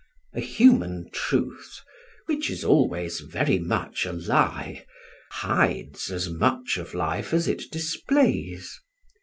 A human truth, which is always very much a lie, hides as much of life as it displays.